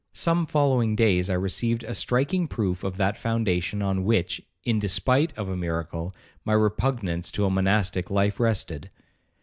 Some following days I received a striking proof of that foundation on which, in despite of a miracle, my repugnance to a monastic life rested.